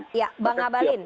oke ya bang abalin